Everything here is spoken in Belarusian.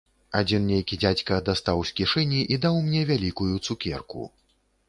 Адзін нейкі дзядзька дастаў з кішэні і даў мне вялікую цукерку.